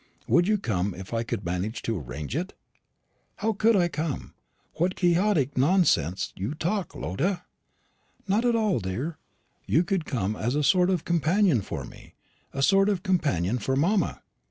Would you come, if I could manage to arrange it?" "How could I come? What Quixotic nonsense you talk, Lotta!" "Not at all, dear; you could come as a sort of companion for me, or a sort of companion for mamma.